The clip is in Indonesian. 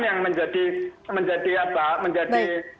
yang menjadi apa menjadi